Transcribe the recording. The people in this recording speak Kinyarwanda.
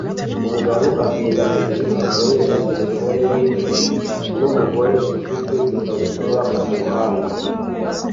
Umugabo ugenda mugihe akoresha terefone ye numugore ufite ikabutura kumuhanda